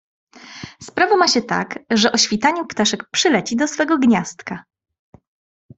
"Sprawa ma się tak, że o świtaniu ptaszek przyleci do swego gniazdka."